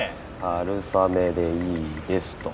「春雨でいいです」と。